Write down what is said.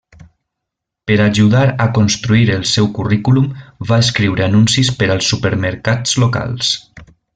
Per ajudar a construir el seu currículum, va escriure anuncis per als supermercats locals.